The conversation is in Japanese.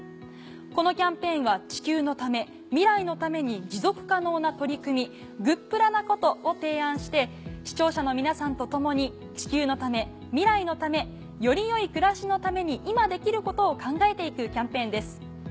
このキャンペーンは地球のため未来のために持続可能な取り組みグップラなことを提案して視聴者の皆さんと共に地球のため未来のためより良い暮らしのために今できることを考えて行くキャンペーンです。